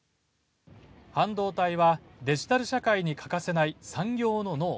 半導体はデジタル社会に欠かせない産業の脳。